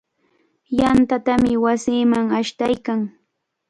Yantatami wasinman ashtaykan.